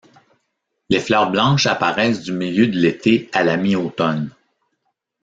Les fleurs blanches apparaissent du milieu de l'été à la mi-automne.